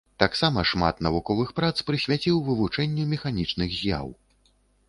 Таксама шмат навуковых прац прысвяціў вывучэнню механічных з'яў.